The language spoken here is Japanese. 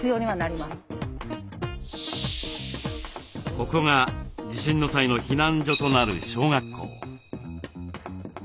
ここが地震の際の避難所となる小学校。